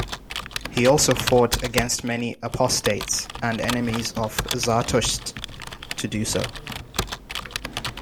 He also fought against many apostates and enemies of Zartosht to do so.